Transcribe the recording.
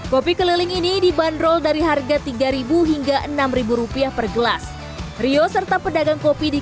kopi keliling ini dibanderol dari harga tiga ribu hingga enam rupiah per gelas rio serta pedagang kopi di